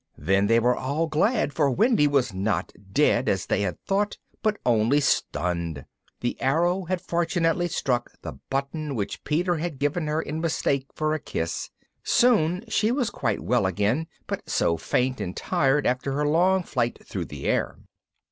Then they were all glad, for Wendy was not dead, as they had thought, but only stunned. The arrow had fortunately struck the button which Peter had given her in mistake for a kiss. Soon she was quite well again, but so faint and tired after her long flight through the air.